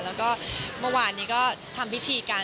แล้วก็เมื่อวานนี้ก็ทำพิธีกัน